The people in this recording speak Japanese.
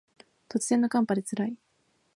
突然の寒波で辛い